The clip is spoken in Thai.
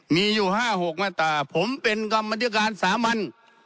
มีอยู่ห้าหกมาตราผมเป็นกรรมนตรีการสามัญ